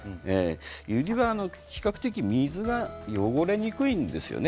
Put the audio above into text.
ユリは比較的水が汚れにくいんですよね。